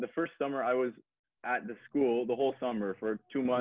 jadi musim pertama saya di sekolah selama dua bulan